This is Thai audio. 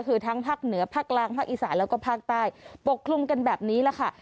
คือทั้งภาคเหนือภาคกลางภาคอีสานแล้วก็ภาคใต้ปกคลุมกันแบบนี้แหละค่ะ